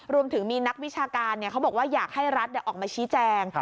รวมถึงมีนักวิชาการเขาบอกว่าอยากให้รัฐออกมาชี้แจง